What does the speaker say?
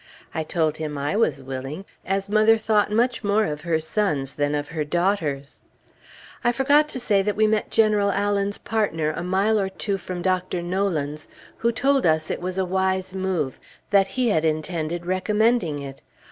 I told him I was willing, as mother thought much more of her sons than of her daughters. I forgot to say that we met General Allen's partner a mile or two from Dr. Nolan's, who told us it was a wise move; that he had intended recommending it.